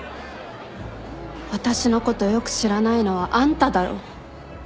私のことよく知らないのはあんただろ。